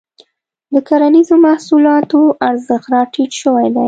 د کرنیزو محصولاتو ارزښت راټيټ شوی دی.